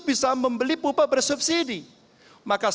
bahwa saya menjadi seorang nak star perbataan di negara ini